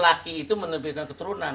laki itu menerbitkan keturunan